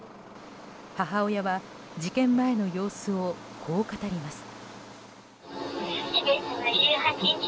母親は事件前の様子をこう語ります。